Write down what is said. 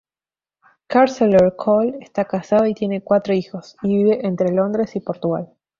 Carceller Coll está casado y tiene cuatro hijos, y vive entre Londres y Portugal.